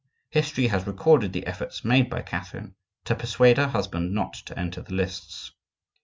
History has recorded the efforts made by Catherine to persuade her husband not to enter the lists.